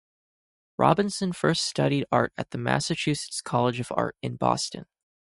Robinson first studied art at the Massachusetts College of Art in Boston.